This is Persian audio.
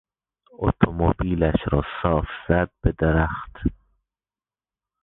اتومبیلش را صاف زد به درخت.